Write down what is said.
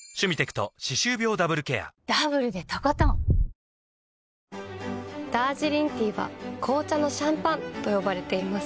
生しょうゆはキッコーマンダージリンティーは紅茶のシャンパンと呼ばれています。